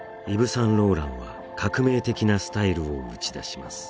・サンローランは革命的なスタイルを打ち出します